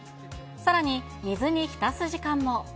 さらに水に浸す時間も。